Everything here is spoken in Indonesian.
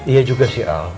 iya juga sih al